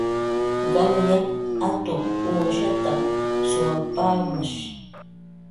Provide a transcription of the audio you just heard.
Qanyan atuq uushatam suwapaamash.